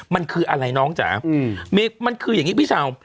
มันคืออะไรน้องจ๋ามันคืออย่างนี้พี่เช้า